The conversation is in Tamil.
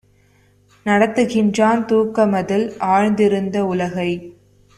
நடத்துகின்றான் தூக்கமதில் ஆழ்ந்திருந்த உலகை!